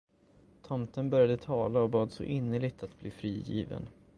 Tomten började tala och bad så innerligt att bli frigiven.